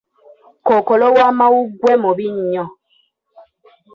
Kookolo w'amawuggwe mubi nnyo.